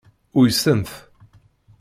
Uysen-t.